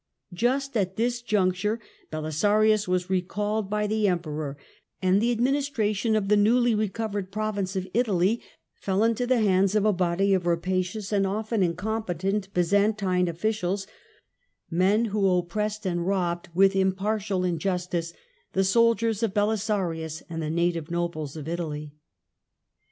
Just at this juncture Belisarius was recalled by the Recall of Emperor, and the administration of the newly recovered 540^ nrovince of Italy fell into the hands of a body of apacious and often incompetent Byzantine officials — nen who oppressed and robbed with impartial injustice he soldiers of Belisarius and the native nobles of Italy.